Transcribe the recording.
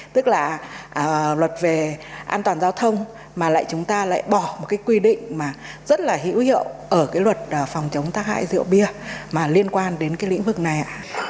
tức là luật về an toàn giao thông mà lại chúng ta lại bỏ một cái quy định mà rất là hữu hiệu ở cái luật phòng chống tác hại rượu bia mà liên quan đến cái lĩnh vực này ạ